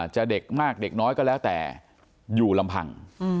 เด็กมากเด็กน้อยก็แล้วแต่อยู่ลำพัง